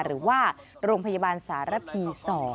หรือว่าโรงพยาบาลสารพี๒